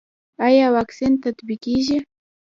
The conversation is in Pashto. آیا واکسین تطبیقیږي؟